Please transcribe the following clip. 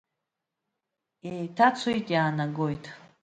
Иеиҭацоит, иаанагоит.